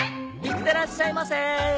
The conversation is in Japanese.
いってらっしゃいませ。